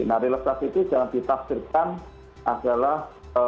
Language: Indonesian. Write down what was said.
nah relaksasi itu jangan ditafsirkan adalah